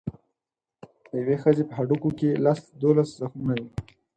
د یوې ښځې په هډوکو کې لس دولس زخمونه وو.